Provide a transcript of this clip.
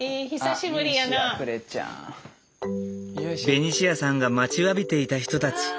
ベニシアさんが待ちわびていた人たち。